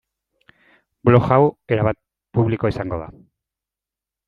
Blog hau erabat publikoa izango da.